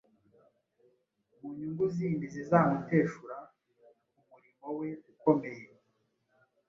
mu nyungu zindi zizamuteshura ku murimo we ukomeye.